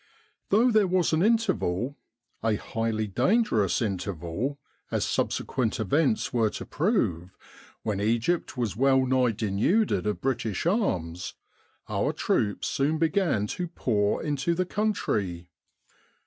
Though there was an interval a highly dangerous interval, as sub sequent events were to prove when Egypt was well nigh denuded of British arms, our troops soon began 16 Egypt and the Great War to pour into the country.